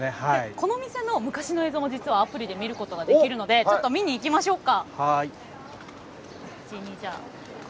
この店の昔の映像も実はアプリで見ることができるので見にいきましょうか。